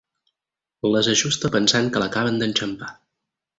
Les ajusta pensant que l'acaben d'enxampar.